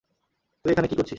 তুই এখানে কি করছিস?